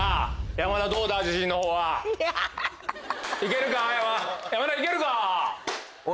山田いけるか？